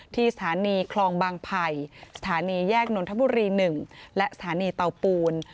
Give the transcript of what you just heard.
ที่สถานีคลองบางไผ่สถานีแยกนนทบุรี๑และสถานีเตาปูน